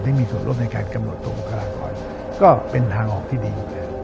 ได้มีส่วนร่วมในการกำหนดตัวบุคลากรก็เป็นทางออกที่ดี